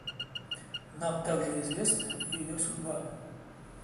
Нам также известна ее судьба.